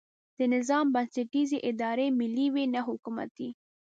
د نظام بنسټیزې ادارې ملي وي نه حکومتي.